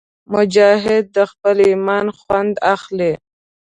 مجاهد د خپل ایمان خوند اخلي.